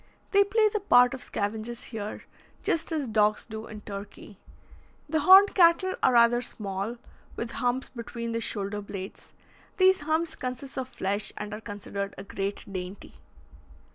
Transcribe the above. They play the part of scavengers here, just as dogs do in Turkey. The horned cattle are rather small, with humps between the shoulder blades; these humps consist of flesh and are considered a great dainty.